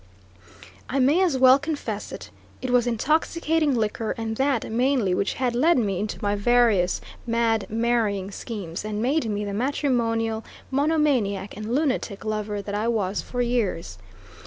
I may as well confess it it was intoxicating liquor, and that mainly, which had led me into my various mad marrying schemes and made me the matrimonial monomaniac and lunatic lover that I was for years.